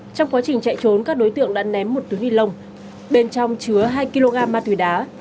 trong quá trình chạy trốn các đối tượng đã ném một túi ni lông bên trong chứa hai kg ma túy đá